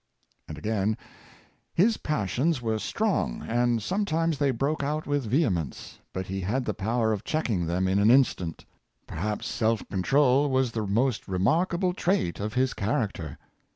And again: "His passions were strong, and sometimes they broke out with vehemence, but he had the power of checking them in an instant. Perhaps self control was the most remarkable trait of his char acter.